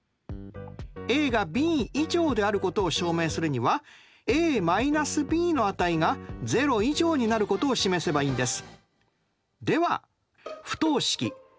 ＡがＢ以上であることを証明するにはＡ−Ｂの値が０以上になることを示せばいいんです。